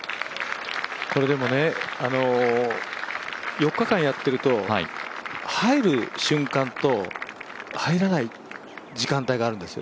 ４日間やっていると、入る瞬間と入らない時間帯があるんですよ。